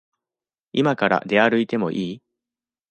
いまから出歩いてもいい？